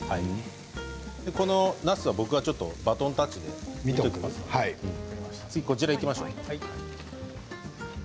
このなすは僕がちょっとバトンタッチで見ておきますので次こちらにいきましょう。